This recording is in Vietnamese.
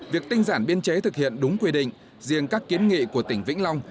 việc tinh giản biên chế thực hiện đúng quy định riêng các kiến nghị của tỉnh vĩnh long